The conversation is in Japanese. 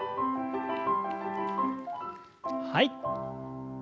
はい。